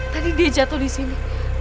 tadi dia jatuh disini